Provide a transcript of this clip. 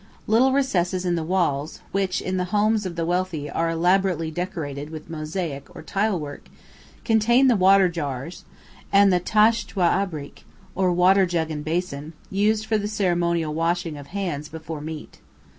Little recesses in the walls, which in the homes of the wealthy are elaborately decorated with mosaic or tile work, contain the water jars, and the "tisht wa abrīk," or water jug and basin, used for the ceremonial washing of hands before meat.